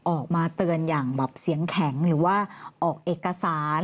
ออกมาเตือนอย่างแบบเสียงแข็งหรือว่าออกเอกสาร